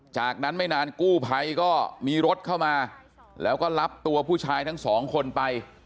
จากนั้นไม่นานกู้ภัยก็มีรถเข้ามาแล้วก็รับตัวผู้ชายทั้งสองคนไป